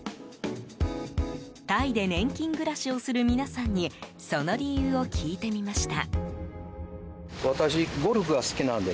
タイで年金暮らしをする皆さんにその理由を聞いてみました。